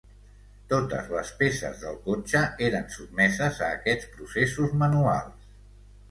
Totes les peces del cotxe eren sotmeses a aquests processos manuals.